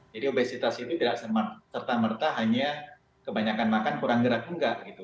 jadi obesitas itu tidak serta merta hanya kebanyakan makan kurang gerak enggak gitu